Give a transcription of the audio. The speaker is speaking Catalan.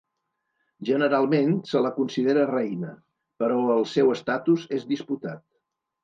Generalment, se la considera reina, però el seu estatus és disputat.